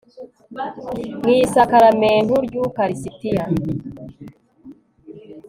mu isakaramentu ry'ukaristiya